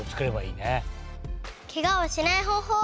ケガをしないほうほう